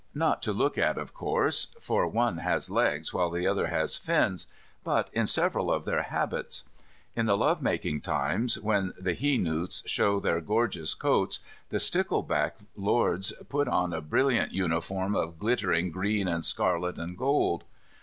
Not to look at, of course, for one has legs while the other has fins; but in several of their habits. In the love making times, when the he newts show their gorgeous coats, the stickleback lords put on a brilliant uniform of glittering green and scarlet and gold.